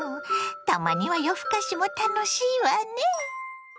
たまには夜ふかしも楽しいわね！